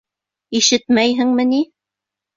Ишетмәйһеңме ни?